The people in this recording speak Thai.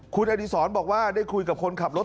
คุณอดีศรบอกว่าได้คุยกับคนขับรถ